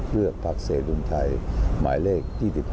เรือกภาคเสรีรวมไทยหมายเลข๒๕